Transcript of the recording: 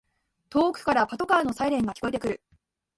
遠くからパトカーのサイレンが聞こえてくる